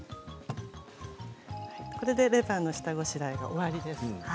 これでレバーの下ごしらえが終わりです。